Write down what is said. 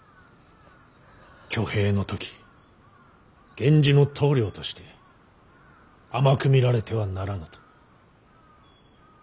挙兵の時源氏の棟梁として甘く見られてはならぬと。